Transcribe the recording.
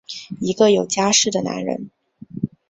一个有家室的男人！